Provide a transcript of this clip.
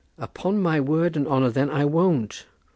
"Upon my word and honour then, I won't.